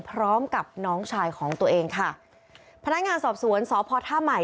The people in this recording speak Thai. พร้อมกับน้องชายของตัวเองค่ะพนักงานสอบสวนสพท่าใหม่